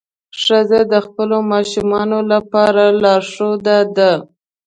ښځه د خپلو ماشومانو لپاره لارښوده ده.